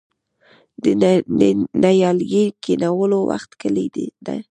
د نیالګي کینولو وخت کله دی؟